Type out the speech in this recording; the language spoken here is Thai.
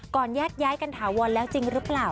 ก่อนแยกกันถาวนแล้วจริงหรือเปล่า